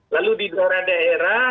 lalu di daerah daerah